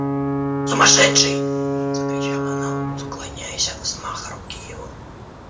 – Сумасшедший! – закричала она, уклоняясь от взмаха руки его.